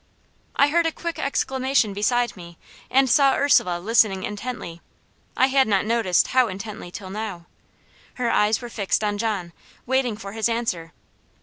I heard a quick exclamation beside me, and saw Ursula listening intently I had not noticed how intently till now. Her eyes were fixed on John, waiting for his answer.